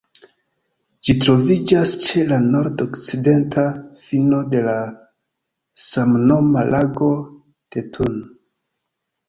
Ĝi troviĝas ĉe la nord-okcidenta fino de la samnoma Lago de Thun.